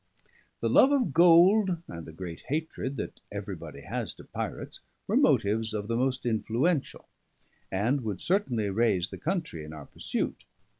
The love of gold and the great hatred that everybody has to pirates were motives of the most influential, and would certainly raise the country in our pursuit.